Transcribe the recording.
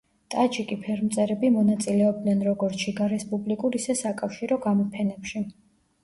ტაჯიკი ფერმწერები მონაწილეობდნენ როგორც შიგა რესპუბლიკურ, ისე საკავშირო გამოფენებში.